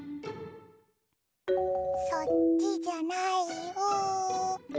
そっちじゃないよ。